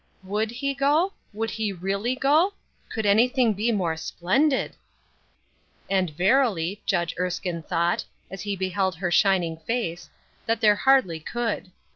Would he go? Would he really go? Could anything be more splendid! And, verily, Judge Erskine thought, as he beheld her shining face, that there hardly could.